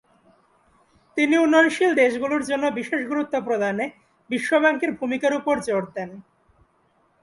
তিনি উন্নয়নশীল দেশগুলির জন্য বিশেষ গুরুত্ব প্রদানে বিশ্ব ব্যাঙ্কের ভূমিকার উপর জোর দেন।